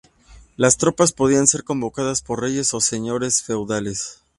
Las tropas podían ser convocadas por reyes o señores feudales.